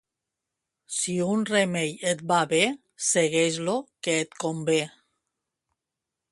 Si un remei et va bé, segueix-lo, que et convé.